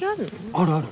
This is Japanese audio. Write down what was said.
あるある。